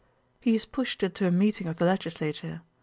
He is pushed into a meeting of the legislature.